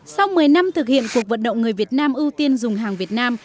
sau một mươi năm thực hiện cuộc vận động người việt nam ưu tiên dùng hàng việt nam